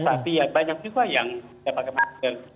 tapi ya banyak juga yang tidak pakai masker